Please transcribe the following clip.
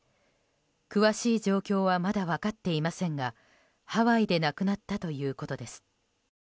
詳しい状況はまだ分かっていませんがハワイで亡くなったということです。